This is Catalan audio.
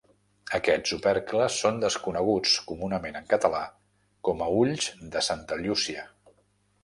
Aquests opercles són desconeguts comunament en català com a ulls de Santa Llúcia.